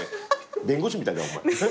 弁護士みたいだよお前。